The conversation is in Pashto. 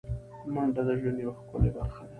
منډه د ژوند یوه ښکلی برخه ده